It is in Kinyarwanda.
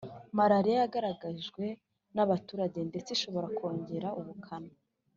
Malariya yagaragajwe n abaturage ndetse ishobora kongera ubukana